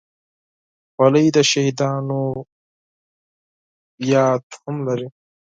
خولۍ د شهیدانو یاد هم لري.